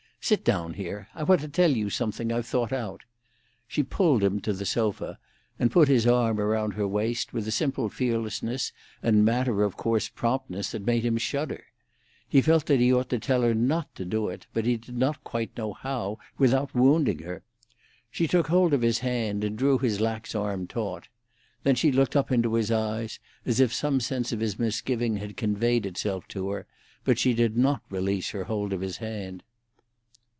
Sit down here; I want to tell you of something I've thought out." She pulled him to the sofa, and put his arm about her waist, with a simple fearlessness and matter of course promptness that made him shudder. He felt that he ought to tell her not to do it, but he did not quite know how without wounding her. She took hold of his hand and drew his lax arm taut. Then she looked up into his eyes, as if some sense of his misgiving had conveyed itself to her, but she did not release her hold of his hand.